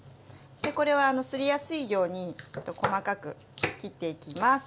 これはすりやすいように細かく切っていきます。